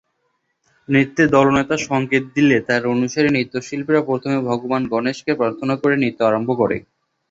নৃত্যে দলনেতা সংকেত দিলে তার অনুসারী নৃত্যশিল্পীরা প্রথমে ভগবান গণেশকে প্রার্থনা করে নৃত্য আরম্ভ করে।